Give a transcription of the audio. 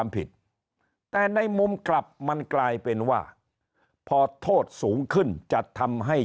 ผิดแต่ในมุมกลับมันกลายเป็นว่าพอโทษสูงขึ้นจะทำให้